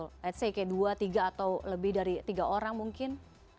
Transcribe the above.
let's say kayak dua tiga atau lebih dari tiga orang mungkin